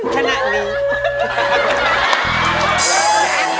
ขนาดนี้